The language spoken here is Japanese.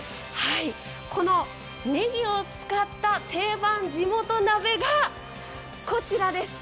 このねぎを使った定番地元鍋がこちらです。